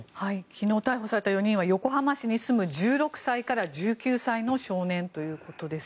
昨日逮捕された４人は横浜市に住む１６歳から１９歳の少年ということです。